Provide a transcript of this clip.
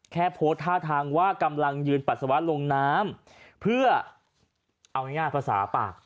แค่โพสต์ท่าทางว่ากำลังยืนปัสสาวะลงน้ำเพื่อเอาง่ายภาษาปาก